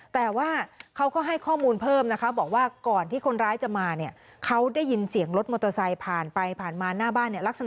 แต่ว่าเขาก็ให้ข้อมูลเพิ่มนะคะบอกว่าก่อนที่คนร้ายจะมาเนี่ยเขาได้ยินเสียงรถมอเตอร์ไซค์ผ่านไปผ่านมาหน้าบ้านเนี่ยลักษณะ